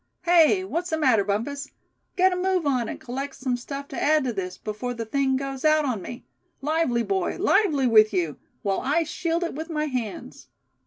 "Hey! what's the matter, Bumpus? Get a move on, and collect some stuff to add to this, before the thing goes out on me. Lively, boy, lively with you, while I shield it with my hands!"